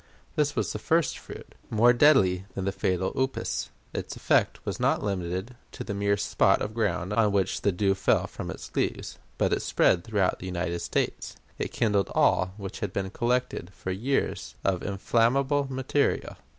This was the first fruit. More deadly than the fatal upas, its effect was not limited to the mere spot of ground on which the dew fell from its leaves, but it spread throughout the United States; it kindled all which had been collected for years of inflammable material.